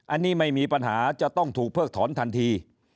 อันนี้ไม่มีปัญหาจะต้องถูกเพิกถอนทันที